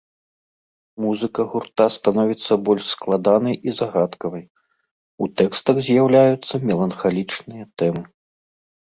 Музыка гурта становіцца больш складанай і загадкавай, у тэкстах з'яўляюцца меланхалічныя тэмы.